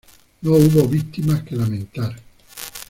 No hubo víctimas que lamentar.